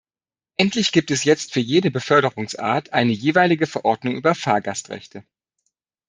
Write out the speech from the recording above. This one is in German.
Endlich gibt es jetzt für jede Beförderungsart eine jeweilige Verordnung über Fahrgastrechte.